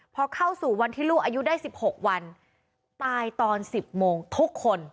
พอเข้าสู่วันที่ลูกอายุได้๑๖วันตายตอน๑๐โมงทุกคน